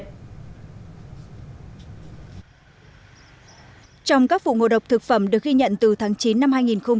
trong các vụ ngộ độc thực phẩm được ghi nhận từ tháng chín